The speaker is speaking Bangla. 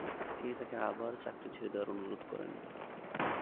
তিনি তাকে আবার চাকরি ছেড়ে দেওয়ার অনুরোধ করেন।